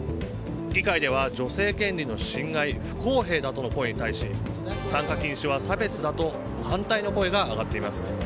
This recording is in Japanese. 議会では女性権利の侵害不公平だとの声に対し参加禁止は差別だと反対の声が上がっています。